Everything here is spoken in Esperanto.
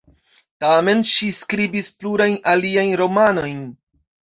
Tamen, ŝi skribis plurajn aliajn romanojn.